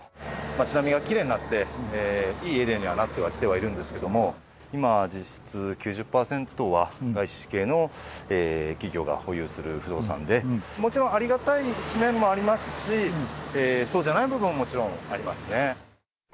町並みはきれいになって、いいエリアにはなってはきているんですけれども、今、実質９０％は外資系の企業が保有する不動産で、もちろんありがたい一面もありますし、そうじゃない部分ももちろんありますね。